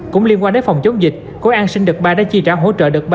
cũng liên quan đến phòng chống dịch cô an sinh đợt ba đã chi trả hỗ trợ đợt ba